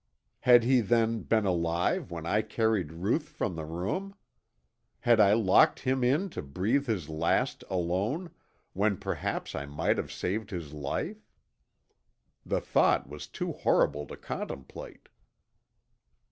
Had he then been alive when I carried Ruth from the room? Had I locked him in to breathe his last alone, when perhaps I might have saved his life? The thought was too horrible to contemplate!